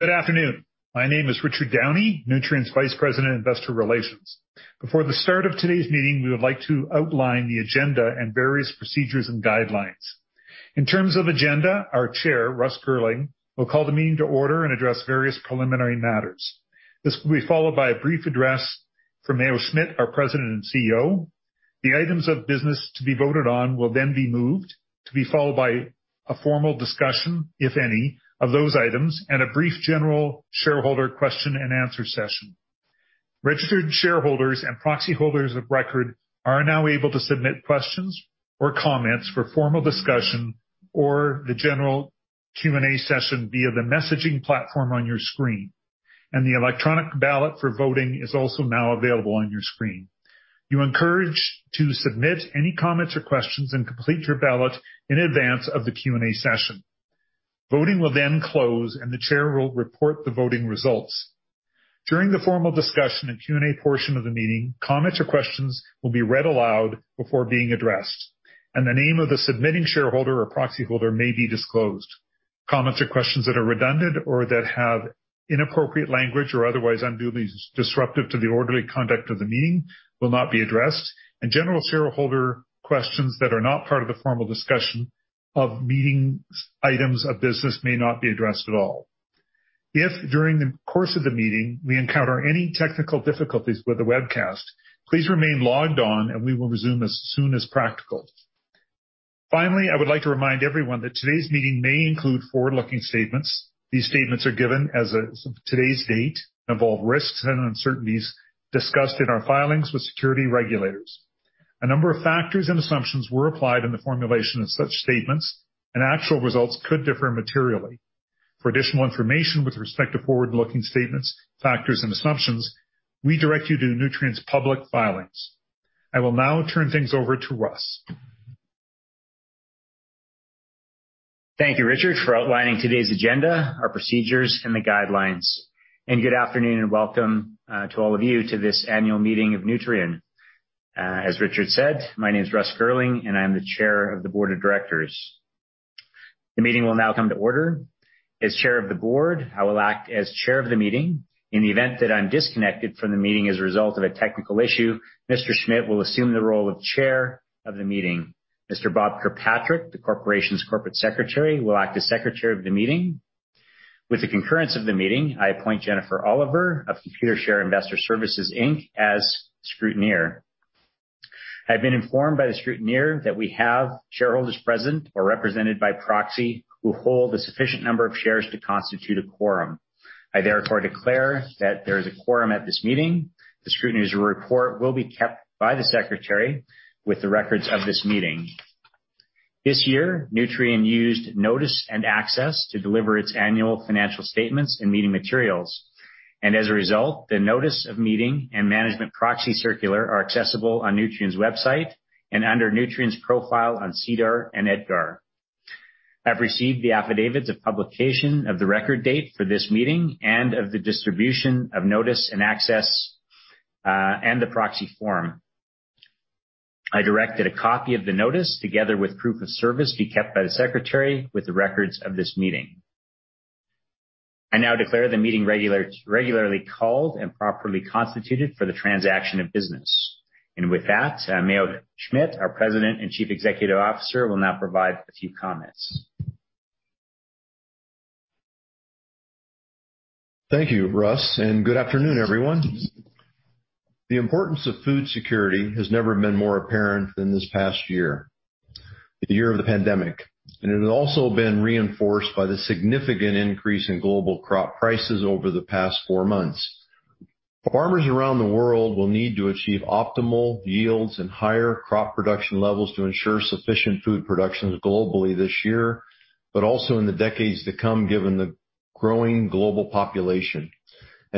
Good afternoon. My name is Richard Downey, Nutrien's Vice President, Investor Relations. Before the start of today's meeting, we would like to outline the agenda and various procedures and guidelines. In terms of agenda, our chair, Russ Girling, will call the meeting to order and address various preliminary matters. This will be followed by a brief address from Mayo Schmidt, our President and CEO. The items of business to be voted on will then be moved to be followed by a formal discussion, if any, of those items, and a brief general shareholder question and answer session. Registered shareholders and proxy holders of record are now able to submit questions or comments for formal discussion or the general Q&A session via the messaging platform on your screen. The electronic ballot for voting is also now available on your screen. You are encouraged to submit any comments or questions and complete your ballot in advance of the Q&A session. Voting will then close, and the chair will report the voting results. During the formal discussion and Q&A portion of the meeting, comments or questions will be read aloud before being addressed, and the name of the submitting shareholder or proxy holder may be disclosed. Comments or questions that are redundant or that have inappropriate language or otherwise unduly disruptive to the orderly conduct of the meeting will not be addressed, and general shareholder questions that are not part of the formal discussion of meeting items of business may not be addressed at all. If during the course of the meeting we encounter any technical difficulties with the webcast, please remain logged on and we will resume as soon as practical. Finally, I would like to remind everyone that today's meeting may include forward-looking statements. These statements are given as of today's date and involve risks and uncertainties discussed in our filings with security regulators. A number of factors and assumptions were applied in the formulation of such statements, and actual results could differ materially. For additional information with respect to forward-looking statements, factors, and assumptions, we direct you to Nutrien's public filings. I will now turn things over to Russ. Thank you, Richard, for outlining today's agenda, our procedures, and the guidelines. Good afternoon, and welcome to all of you to this annual meeting of Nutrien. As Richard said, my name is Russ Girling, and I'm the chair of the board of directors. The meeting will now come to order. As chair of the board, I will act as chair of the meeting. In the event that I'm disconnected from the meeting as a result of a technical issue, Mr. Schmidt will assume the role of chair of the meeting. Mr. Bob Kirkpatrick, the corporation's Corporate Secretary, will act as secretary of the meeting. With the concurrence of the meeting, I appoint Jennifer Oliver of Computershare Investor Services Inc., as scrutineer. I've been informed by the scrutineer that we have shareholders present or represented by proxy who hold a sufficient number of shares to constitute a quorum. I therefore declare that there's a quorum at this meeting. The scrutineer's report will be kept by the secretary with the records of this meeting. This year, Nutrien used notice and access to deliver its annual financial statements and meeting materials, and as a result, the notice of meeting and management proxy circular are accessible on Nutrien's website and under Nutrien's profile on SEDAR and EDGAR. I've received the affidavits of publication of the record date for this meeting and of the distribution of notice and access, and the proxy form. I directed a copy of the notice together with proof of service be kept by the secretary with the records of this meeting. I now declare the meeting regularly called and properly constituted for the transaction of business. With that, Mayo Schmidt, our President and Chief Executive Officer, will now provide a few comments. Thank you, Russ, and good afternoon, everyone. The importance of food security has never been more apparent than this past year, the year of the pandemic, and it has also been reinforced by the significant increase in global crop prices over the past four months. Farmers around the world will need to achieve optimal yields and higher crop production levels to ensure sufficient food productions globally this year, but also in the decades to come given the growing global population.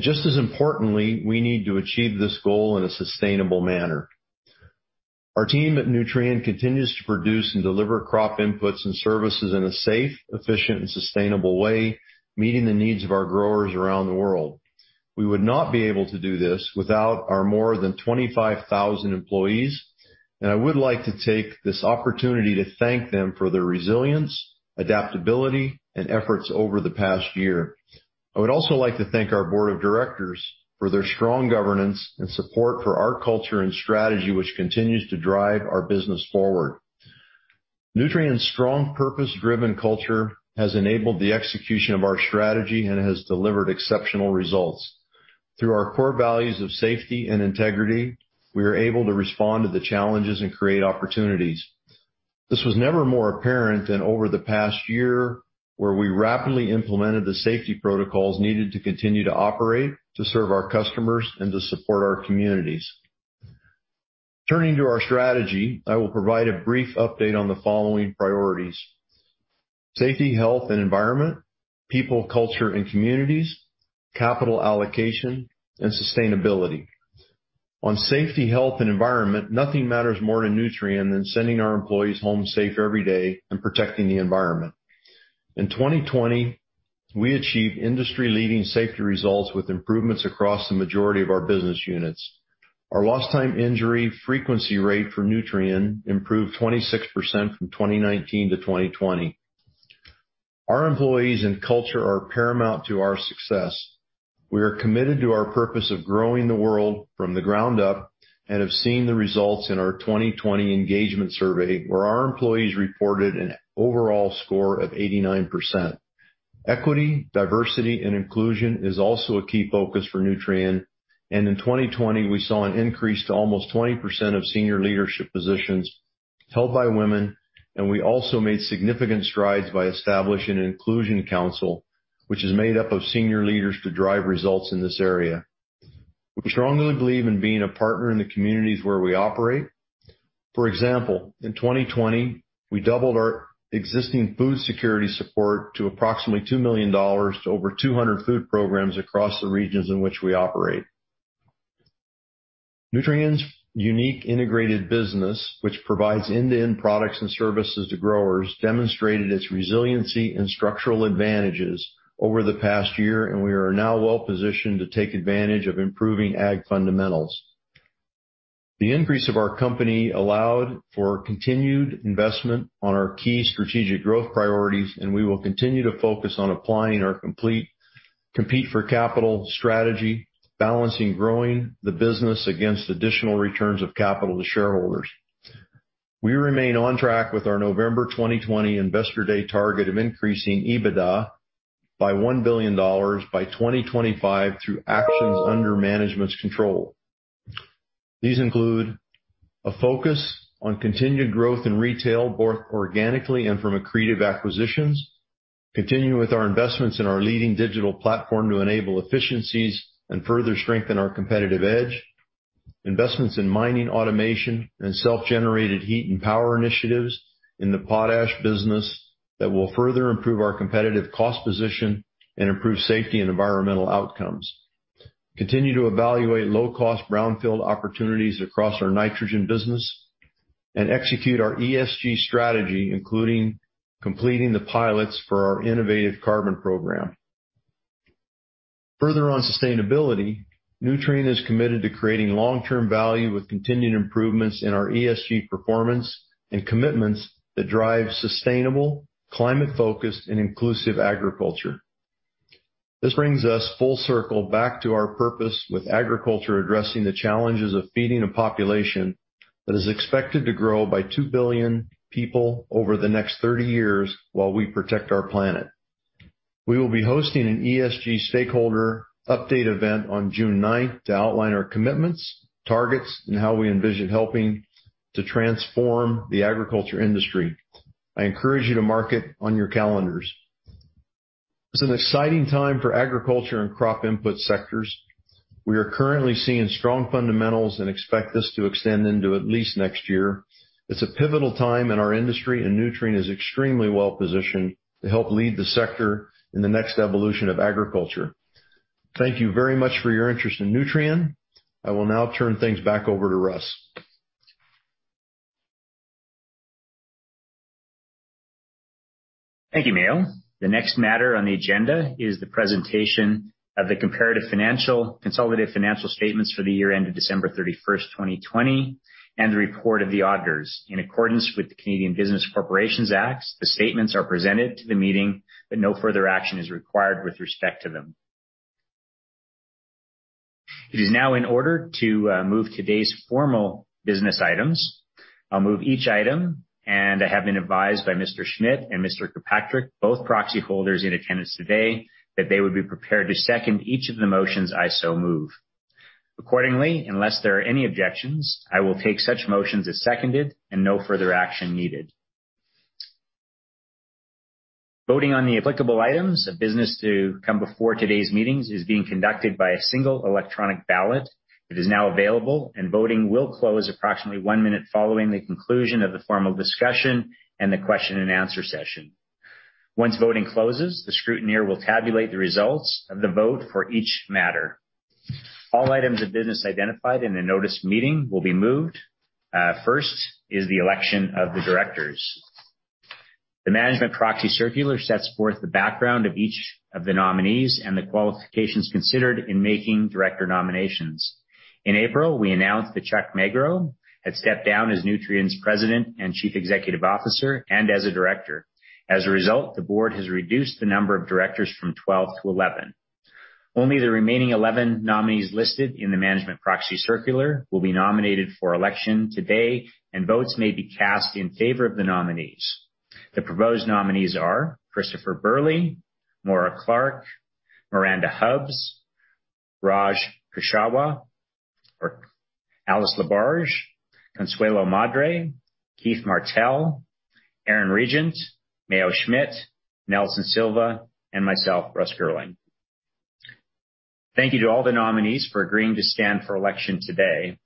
Just as importantly, we need to achieve this goal in a sustainable manner. Our team at Nutrien continues to produce and deliver crop inputs and services in a safe, efficient, and sustainable way, meeting the needs of our growers around the world. We would not be able to do this without our more than 25,000 employees, and I would like to take this opportunity to thank them for their resilience, adaptability, and efforts over the past year. I would also like to thank our board of directors for their strong governance and support for our culture and strategy, which continues to drive our business forward. Nutrien's strong purpose-driven culture has enabled the execution of our strategy and has delivered exceptional results. Through our core values of safety and integrity, we are able to respond to the challenges and create opportunities. This was never more apparent than over the past year where we rapidly implemented the safety protocols needed to continue to operate, to serve our customers, and to support our communities. Turning to our strategy, I will provide a brief update on the following priorities: safety, health, and environment, people, culture, and communities, capital allocation, and sustainability. On safety, health, and environment, nothing matters more to Nutrien than sending our employees home safe every day and protecting the environment. In 2020, we achieved industry-leading safety results with improvements across the majority of our business units. Our lost time injury frequency rate for Nutrien improved 26% from 2019 to 2020. Our employees and culture are paramount to our success. We are committed to our purpose of growing the world from the ground up and have seen the results in our 2020 engagement survey, where our employees reported an overall score of 89%. Equity, diversity, and inclusion is also a key focus for Nutrien, and in 2020, we saw an increase to almost 20% of senior leadership positions held by women, and we also made significant strides by establishing an inclusion council, which is made up of senior leaders to drive results in this area. We strongly believe in being a partner in the communities where we operate. For example, in 2020, we doubled our existing food security support to approximately 2 million dollars to over 200 food programs across the regions in which we operate. Nutrien's unique integrated business, which provides end-to-end products and services to growers, demonstrated its resiliency and structural advantages over the past year, and we are now well-positioned to take advantage of improving ag fundamentals. The increase of our company allowed for continued investment on our key strategic growth priorities, and we will continue to focus on applying our compete for capital strategy, balancing growing the business against additional returns of capital to shareholders. We remain on track with our November 2020 investor day target of increasing EBITDA by 1 billion dollars by 2025 through actions under management's control. These include a focus on continued growth in retail, both organically and from accretive acquisitions, continuing with our investments in our leading digital platform to enable efficiencies and further strengthen our competitive edge. Investments in mining automation and self-generated heat and power initiatives in the potash business that will further improve our competitive cost position and improve safety and environmental outcomes. Continue to evaluate low-cost brownfield opportunities across our nitrogen business and execute our ESG strategy, including completing the pilots for our innovative carbon program. Further on sustainability, Nutrien is committed to creating long-term value with continued improvements in our ESG performance and commitments that drive sustainable climate focus and inclusive agriculture. This brings us full circle back to our purpose with agriculture addressing the challenges of feeding a population that is expected to grow by 2 billion people over the next 30 years while we protect our planet. We will be hosting an ESG stakeholder update event on June 9th to outline our commitments, targets, and how we envision helping to transform the agriculture industry. I encourage you to mark it on your calendars. It's an exciting time for agriculture and crop input sectors. We are currently seeing strong fundamentals and expect this to extend into at least next year. It's a pivotal time in our industry. Nutrien is extremely well-positioned to help lead the sector in the next evolution of agriculture. Thank you very much for your interest in Nutrien. I will now turn things back over to Russ. Thank you, Mayo. The next matter on the agenda is the presentation of the comparative financial consolidated financial statements for the year ended December 31st, 2020, and the report of the auditors. In accordance with the Canada Business Corporations Act, the statements are presented to the meeting, no further action is required with respect to them. It is now in order to move today's formal business items. I'll move each item, and I have been advised by Mr. Schmidt and Mr. Kirkpatrick, both proxy holders in attendance today, that they would be prepared to second each of the motions I so move. Unless there are any objections, I will take such motions as seconded and no further action needed. Voting on the applicable items of business to come before today's meetings is being conducted by a single electronic ballot. It is now available, and voting will close approximately one minute following the conclusion of the formal discussion and the question and answer session. Once voting closes, the scrutineer will tabulate the results of the vote for each matter. All items of business identified in a notice meeting will be moved. First is the election of the directors. The management proxy circular sets forth the background of each of the nominees and the qualifications considered in making director nominations. In April, we announced that Chuck Magro had stepped down as Nutrien's President and Chief Executive Officer and as a director. As a result, the board has reduced the number of directors from 12 to 11. Only the remaining 11 nominees listed in the management proxy circular will be nominated for election today, and votes may be cast in favor of the nominees. The proposed nominees are Christopher Burley, Maura Clark, Miranda Hubbs, Raj Kushwaha, Alice Laberge, Consuelo Madere, Keith Martell, Aaron Regent, Mayo Schmidt, Nelson Silva, and myself, Russ Girling. Thank you to all the nominees for agreeing to stand for election today.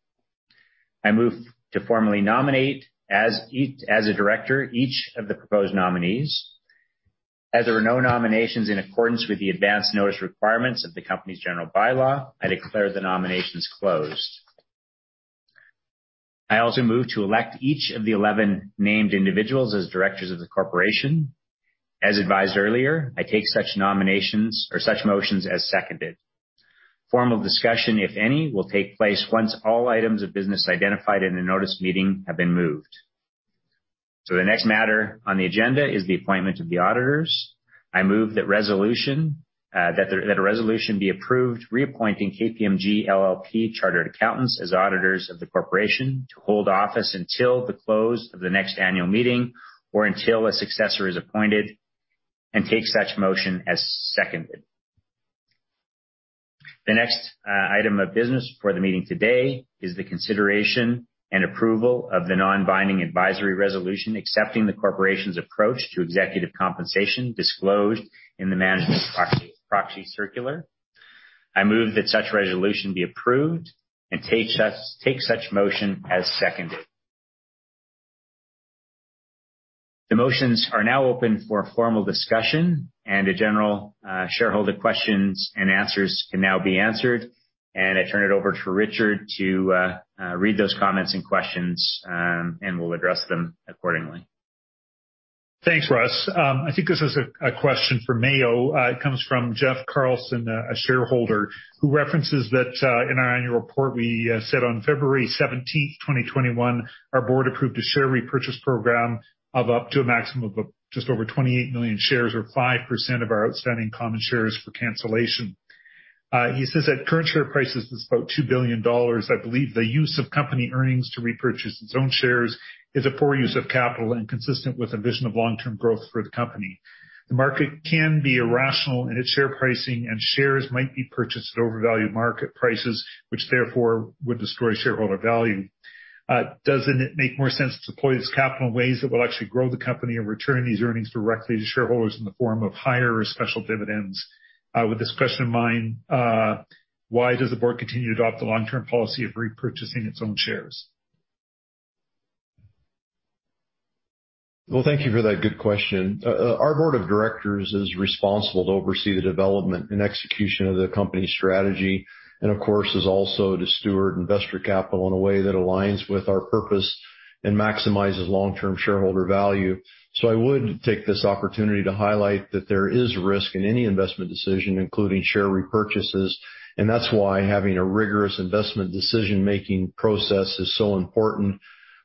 I move to formally nominate as a director each of the proposed nominees. As there are no nominations in accordance with the advance notice requirements of the company's general bylaw, I declare the nominations closed. I also move to elect each of the 11 named individuals as directors of the corporation. As advised earlier, I take such nominations or such motions as seconded. Formal discussion, if any, will take place once all items of business identified in the notice meeting have been moved. The next matter on the agenda is the appointment of the auditors. I move that a resolution be approved reappointing KPMG LLP chartered accountants as auditors of the corporation to hold office until the close of the next annual meeting or until a successor is appointed and take such motion as seconded. The next item of business for the meeting today is the consideration and approval of the non-binding advisory resolution accepting the corporation's approach to executive compensation disclosed in the management proxy circular. I move that such a resolution be approved and take such motion as seconded. The motions are now open for formal discussion, the general shareholder questions and answers can now be answered. I turn it over to Richard to read those comments and questions, and we'll address them accordingly. Thanks, Russ. I think this is a question for Mayo. It comes from Jeff Carlson, a shareholder, who references that in our annual report, we said on February 17th, 2021, our board approved a share repurchase program of up to a maximum of just over 28 million shares or 5% of our outstanding common shares for cancellation. He says at current share prices, that's about 2 billion dollars. I believe the use of company earnings to repurchase its own shares is a poor use of capital inconsistent with a vision of long-term growth for the company. The market can be irrational in its share pricing, and shares might be purchased at overvalued market prices, which therefore would destroy shareholder value. Doesn't it make more sense to deploy this capital in ways that will actually grow the company and return these earnings directly to shareholders in the form of higher special dividends? With this question in mind, why does the board continue to adopt the long-term policy of repurchasing its own shares? Thank you for that good question. Our board of directors is responsible to oversee the development and execution of the company's strategy, and of course, is also to steward investor capital in a way that aligns with our purpose and maximizes long-term shareholder value. I would take this opportunity to highlight that there is risk in any investment decision, including share repurchases, and that's why having a rigorous investment decision-making process is so important,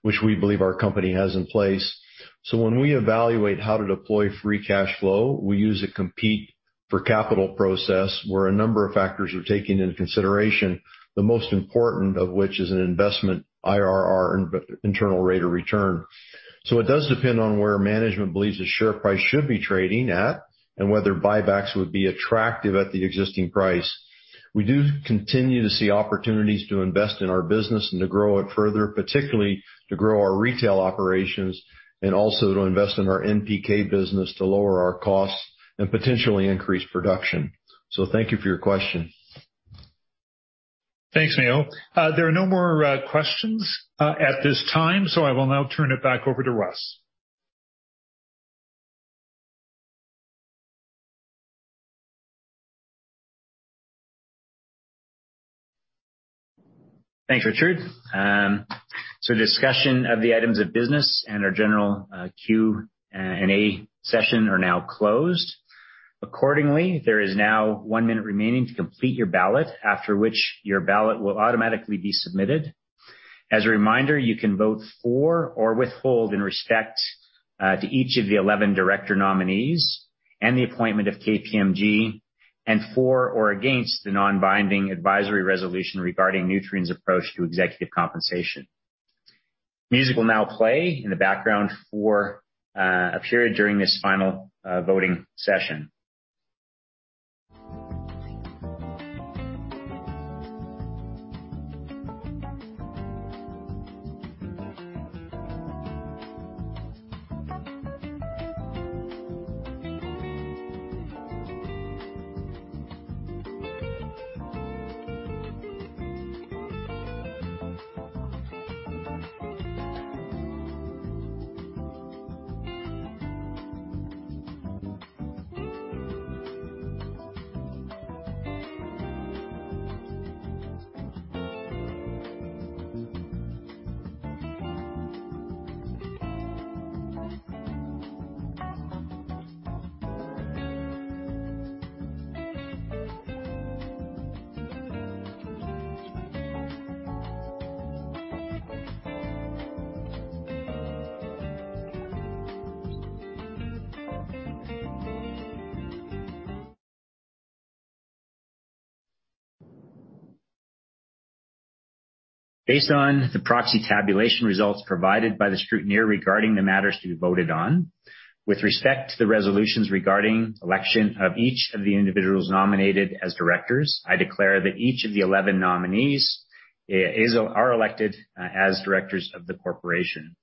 which we believe our company has in place. When we evaluate how to deploy free cash flow, we use a compete for capital process where a number of factors are taken into consideration, the most important of which is an investment IRR, internal rate of return. It does depend on where management believes the share price should be trading at and whether buybacks would be attractive at the existing price. We do continue to see opportunities to invest in our business and to grow it further, particularly to grow our retail operations and also to invest in our NPK business to lower our costs and potentially increase production. Thank you for your question. Thanks, Mayo. There are no more questions at this time, so I will now turn it back over to Russ. Thanks, Richard. Discussion of the items of business and our general Q&A session are now closed. Accordingly, there is now one minute remaining to complete your ballot, after which your ballot will automatically be submitted. As a reminder, you can vote for or withhold in respect to each of the 11 director nominees and the appointment of KPMG, and for or against the non-binding advisory resolution regarding Nutrien's approach to executive compensation. Music will now play in the background for a period during this final voting session. Based on the proxy tabulation results provided by the scrutineer regarding the matters to be voted on with respect to the resolutions regarding election of each of the individuals nominated as directors, I declare that each of the 11 nominees are elected as directors of the corporation.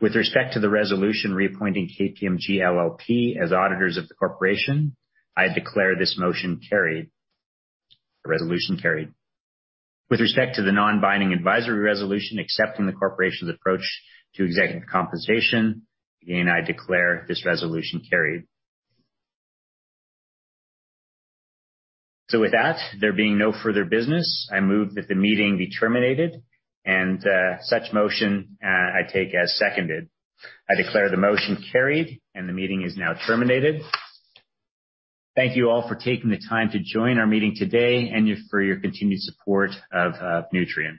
With respect to the resolution reappointing KPMG LLP as auditors of the corporation, I declare this motion carried. Resolution carried. With respect to the non-binding advisory resolution accepting the corporation's approach to executive compensation, again, I declare this resolution carried. With that, there being no further business, I move that the meeting be terminated, and such motion I take as seconded. I declare the motion carried, and the meeting is now terminated. Thank you all for taking the time to join our meeting today and for your continued support of Nutrien.